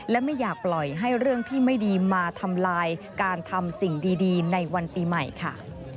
และไม่อยากปล่อยให้เรื่องที่ไม่ดีมาทำลายการทำสิ่งดีในวันปีใหม่ค่ะ